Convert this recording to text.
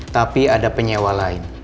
tapi ada penyewa lain